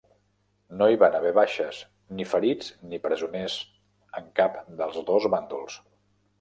No hi van haver baixes, ni ferits ni presoners en cap dels dos bàndols.